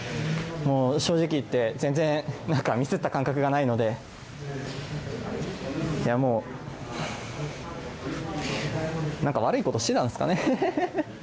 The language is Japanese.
もう正直言って全然なんかミスった感覚がないのでいや、もう何か悪いことしてたんですかね。